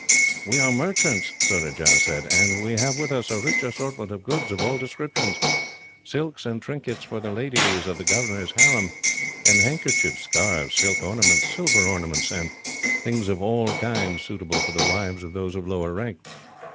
"We are merchants," Surajah said, "and we have with us a rich assortment of goods of all descriptions silks and trinkets for the ladies of the governor's harem, and handkerchiefs, scarves, silver ornaments, and things of all kinds suitable for the wives of those of lower rank.